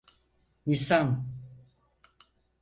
Nisan…